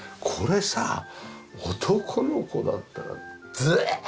これさ男の子だったらズーッ。